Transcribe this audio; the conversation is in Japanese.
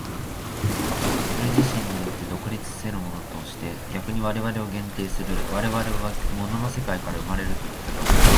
それ自身によって独立せるものとして逆に我々を限定する、我々は物の世界から生まれるといったが、